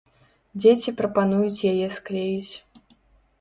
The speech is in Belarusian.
Дзеці прапануюць яе склеіць.